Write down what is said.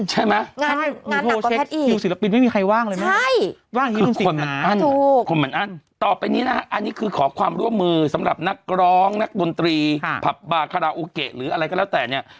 ใช่ไหมงานหนักกว่าแพทย์อีกคือคนเหมือนอั้นต่อไปนี้นะครับอันนี้คือขอความร่วมมือสำหรับนักร้องนักดนตรีผับบาคาราโอเกะหรืออะไรก็แล้วแต่เนี่ย